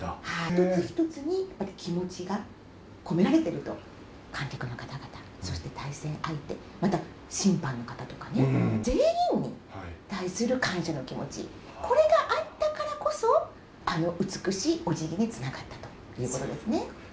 一つ一つに気持ちが込められてると、観客の方々、そして、対戦相手、また審判の方とかね、全員に対する感謝の気持ち、これがあったからこそ、あの美しいおじぎにつながったということですね。